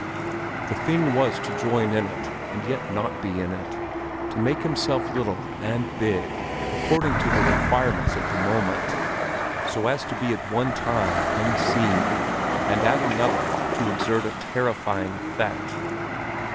The thing was to join in it and yet not be in it, to make himself little and big according to the requirements of the moment, so as to be at one time unseen, and at another to exert a terrifying effect.